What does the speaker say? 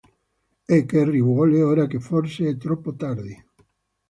E che rivuole, ora che forse è troppo tardi.